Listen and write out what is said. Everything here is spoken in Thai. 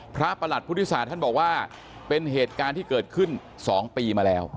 ประหลัดพุทธศาสตร์ท่านบอกว่าเป็นเหตุการณ์ที่เกิดขึ้น๒ปีมาแล้ว